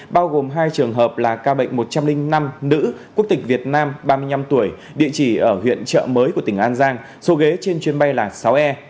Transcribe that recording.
bao gồm hai trường hợp là ca bệnh một trăm linh năm nữ quốc tịch việt nam ba mươi năm tuổi địa chỉ ở huyện trợ mới của tỉnh an giang số ghế trên chuyến bay là sáu e